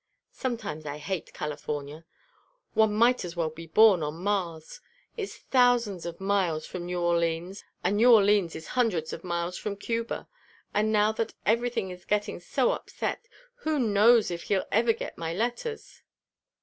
"Sometimes I hate California. One might as well be on Mars. It's thousands of miles from New Orleans, and New Orleans is hundreds of miles from Cuba. And now that everything is getting so upset, who knows if he'll ever get my letters?